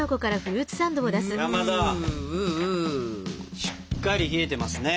かまどしっかり冷えてますね。